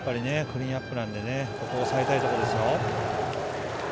クリーンアップなんで抑えたいところですよ。